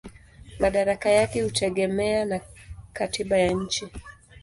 Madaraka yake hutegemea na katiba ya nchi.